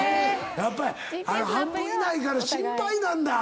やっぱり半分いないから心配なんだ。